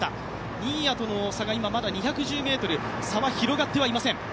新谷との差がまだ２１０ｍ、差は広がってはいません。